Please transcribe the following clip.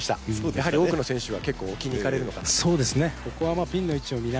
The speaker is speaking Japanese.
やはり多くの選手が結構置きに行かれるのかな？